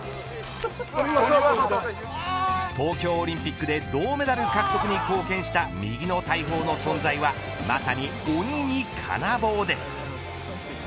東京オリンピックで銅メダル獲得に貢献した右の大砲の存在はまさに鬼に金棒です。